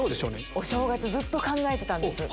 お正月ずっと考えてたんです。